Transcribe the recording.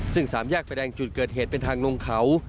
ซึ่งสามแยกไฟแดงจุดเกิดเหตุเป็นทางลงเขา